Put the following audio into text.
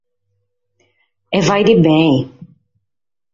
E faghet bene.